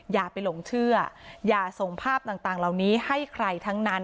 อย่าไปหลงเชื่ออย่าส่งภาพต่างเหล่านี้ให้ใครทั้งนั้น